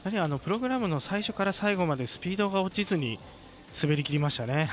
プログラムの最初から最後までスピードが落ちずに滑り切りましたね。